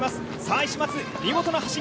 石松、見事な走り。